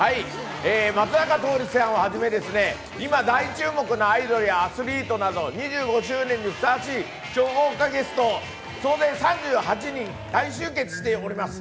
松坂桃李さんをはじめ、今大注目のアイドルやアスリートなど２５周年にふさわしい超豪華ゲスト、総勢３８人が大集結しております。